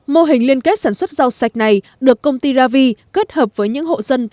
mô hình liên kết sản xuất rau sạch này được công ty ravi kết hợp với những hộ dân